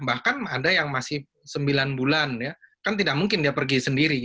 bahkan ada yang masih sembilan bulan ya kan tidak mungkin dia pergi sendiri